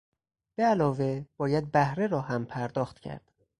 به علاوه باید بهره را هم پرداخت کرد.